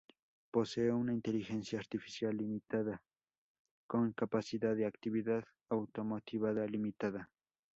Posee una inteligencia artificial limitada, con capacidad de actividad auto-motivada limitada.